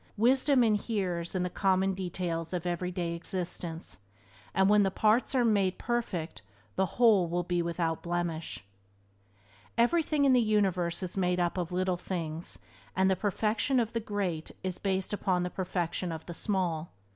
Wisdom inheres in the common details of everyday existence, and when the parts are made perfect the Whole will be without blemish. Everything in the universe is made up of little things, and the perfection of the great is based upon the perfection of the small.